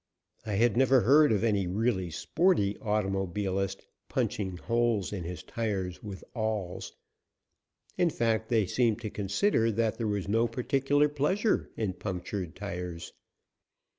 I had never heard of any real sporty automobilist punching holes in his tires with awls; in fact they seemed to consider there was no particular pleasure in punctured tires.